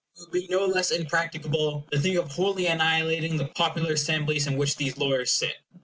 It would be no less impracticable to think of wholly annihilating the popular assemblies in which these lawyers sit.